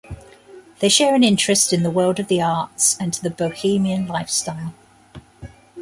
They share an interest in the world of the arts and the Bohemian lifestyle.